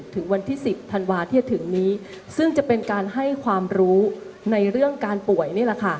ถึงวันที่๑๐ธันวาที่จะถึงนี้ซึ่งจะเป็นการให้ความรู้ในเรื่องการป่วยนี่แหละค่ะ